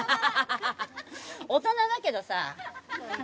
大人だけどさ。